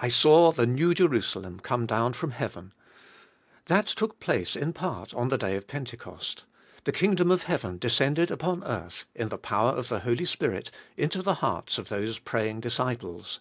2. I saw the New Jerusalem come down from heauen : that took place in part on the day of Pentecost. The kingdom of heauen descended upon earth, in the power of the Holy Spirit, into the hearts of those praying disciples.